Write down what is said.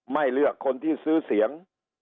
เลือกคนที่ซื้อเสียง